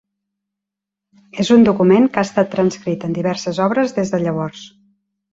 És un document que ha estat transcrit en diverses obres des de llavors.